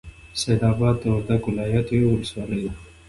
سیدآباد د وردک ولایت یوه ولسوالۍ ده.